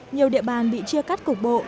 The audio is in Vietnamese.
nhiều địa bàn bị chia cắt cục bộ